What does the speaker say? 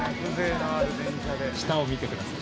◆下を見てください。